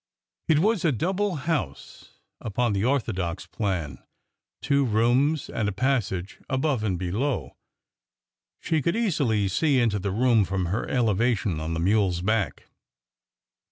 It was a double house upon the orthodox plan,— two rooms and a passage above and below. She could easily see into the room from her elevation on the mule's back.